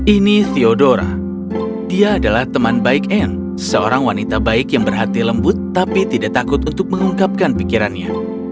ini theodora dia adalah teman baik anne seorang wanita baik yang berhati lembut tapi tidak takut untuk mengungkapkan pikirannya